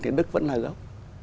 thì đức vẫn là gốc